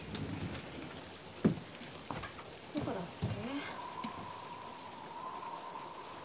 どこだっけ？